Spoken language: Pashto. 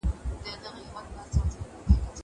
زه هره ورځ کالي وچوم!!